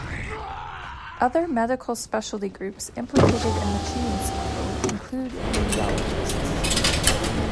Other medical specialty groups implicated in the cheating scandal include radiologists.